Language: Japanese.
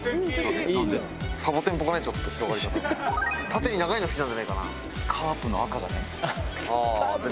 縦に長いの好きなんじゃねえかな？